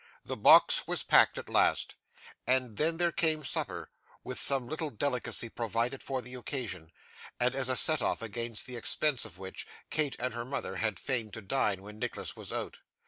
The box was packed at last, and then there came supper, with some little delicacy provided for the occasion, and as a set off against the expense of which, Kate and her mother had feigned to dine when Nicholas was out.